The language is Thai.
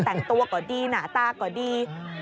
แต่งตัวก็ดีหนาตาก็ดี